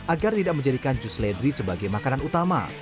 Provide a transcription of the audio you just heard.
agar tidak menjadikan jus seledri sebagai makanan utama